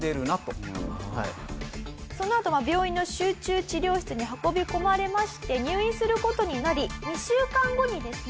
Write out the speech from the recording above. そのあとは病院の集中治療室に運び込まれまして入院する事になり２週間後にですね